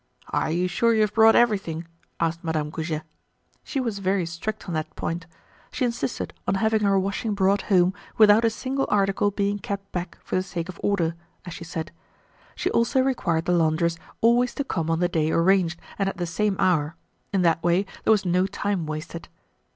"Are you sure you've brought everything?" asked Madame Goujet. She was very strict on that point. She insisted on having her washing brought home without a single article being kept back for the sake of order, as she said. She also required the laundress always to come on the day arranged and at the same hour; in that way there was no time wasted.